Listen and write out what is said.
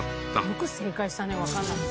よく正解したねわかんなくて。